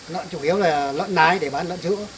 lợn chủ yếu là lợn nái để bán lợn sữa